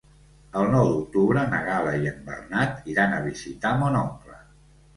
El nou d'octubre na Gal·la i en Bernat iran a visitar mon oncle.